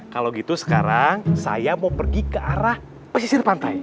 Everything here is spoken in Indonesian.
kalau gitu sekarang saya mau pergi ke arah pesisir pantai